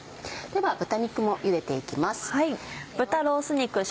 では豚肉も茹でて行きます。